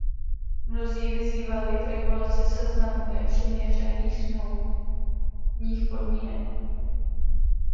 Mnozí vyzývali k regulaci seznamů nepřiměřených smluvních podmínek.